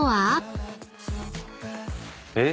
えっ？